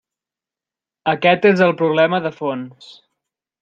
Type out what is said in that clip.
Aquest és el problema de fons.